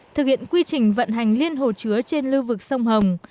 thực hiện quy trình vận hành liên hồ chứa trên lưu vực sông hồng